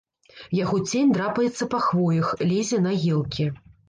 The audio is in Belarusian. Яго цень драпаецца па хвоях, лезе на елкі.